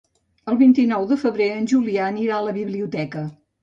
El vint-i-nou de febrer en Julià anirà a la biblioteca.